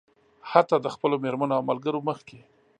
حتيٰ د خپلو مېرمنو او ملګرو مخکې.